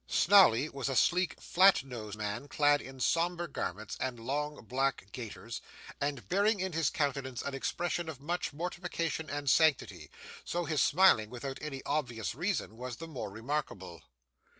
Snawley was a sleek, flat nosed man, clad in sombre garments, and long black gaiters, and bearing in his countenance an expression of much mortification and sanctity; so, his smiling without any obvious reason was the more remarkable.